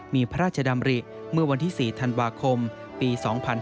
มีพระราชดำริเมื่อวันที่๔ธันวาคมปี๒๕๕๙